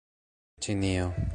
Ĉinio